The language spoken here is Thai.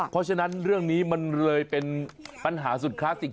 เพราะฉะนั้นเรื่องนี้มันเลยเป็นปัญหาสุดคลาสสิก